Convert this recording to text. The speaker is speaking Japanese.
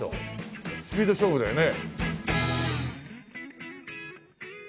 スピード勝負だよね。